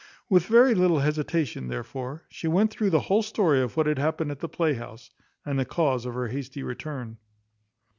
With very little hesitation, therefore, she went through the whole story of what had happened at the play house, and the cause of her hasty return.